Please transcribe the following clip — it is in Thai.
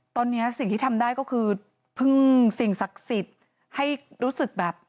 ตอนนี้สิ่งที่ทำได้ก็คือพึ่งสิ่งศักดิ์สิทธิ์ให้รู้สึกแบบ